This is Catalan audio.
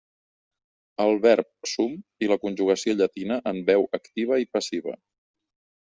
El verb "sum" i la conjugació llatina en veu activa i passiva.